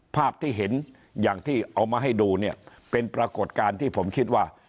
ภาพที่เห็นอย่างที่เอามาให้ดูเนี่ยเป็นปรากฏการณ์ที่ผมคิดว่า